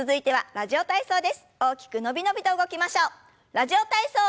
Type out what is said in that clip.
「ラジオ体操第２」。